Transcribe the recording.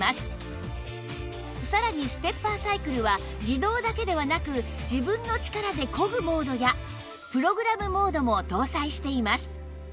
さらにステッパーサイクルは自動だけではなく自分の力で漕ぐモードやプログラムモードも搭載しています